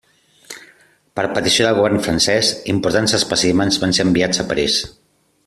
Per petició del govern francès importants espècimens van ser enviats a París.